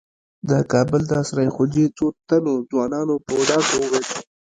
د کابل د سرای خوجې څو تنو ځوانانو په ډاګه وويل.